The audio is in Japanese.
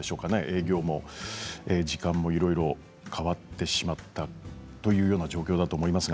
営業時間もいろいろ変わってしまったというような状況だと思います。